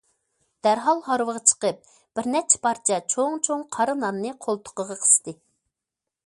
دەرھال ھارۋىغا چىقىپ بىر نەچچە پارچە چوڭ- چوڭ قارا ناننى قولتۇقىغا قىستى.